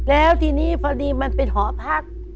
แล้วทีนี้พอดีมันเป็นหอพัก